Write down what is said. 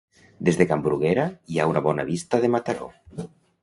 Des de Can Bruguera hi ha una bona vista de Mataró.